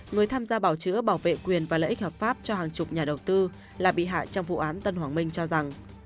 người tham gia bảo chữa bảo vệ quyền và lợi ích hợp pháp cho hàng chục nhà đầu tư là bị hại trong vụ án tân hoàng minh cho rằng